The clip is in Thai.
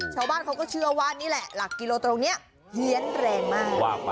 ชาวบ้านเขาก็เชื่อว่านี่แหละหลักกิโลตรงนี้เฮียนแรงมาก